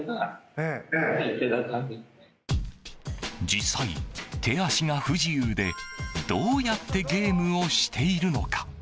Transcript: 実際、手足が不自由でどうやってゲームをしているのか？